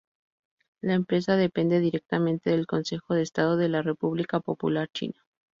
La empresa depende directamente del Consejo de Estado de la República Popular China.